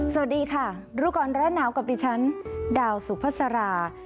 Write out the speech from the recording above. สวัสดีค่ะรูปกรณ์รัดหนาวกับดิฉันดาวสุพศรา